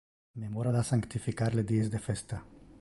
Memora da sanctificar le dies de festa.